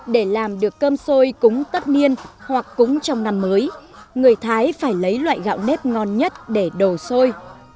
để làm được cơm xôi cúng tất niên hoặc cũng trong năm mới người thái phải lấy loại gạo nếp ngon nhất để đổ xôi